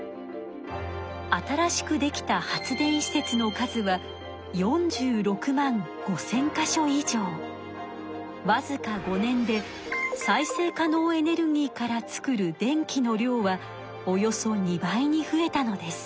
新しくできた発電施設の数はわずか５年で再生可能エネルギーから作る電気の量はおよそ２倍に増えたのです。